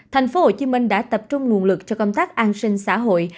thành phố hồ chí minh đã tập trung nguồn lực cho công tác an sinh xã hội